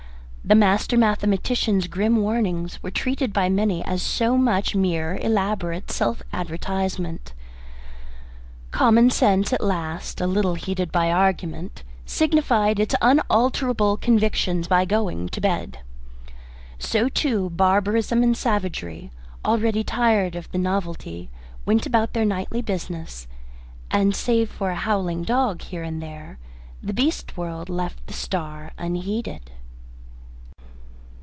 The master mathematician's grim warnings were treated by many as so much mere elaborate self advertisement. Common sense at last, a little heated by argument, signified its unalterable convictions by going to bed. So, too, barbarism and savagery, already tired of the novelty, went about their nightly business, and, save for a howling dog here and there, the beast world left the star unheeded.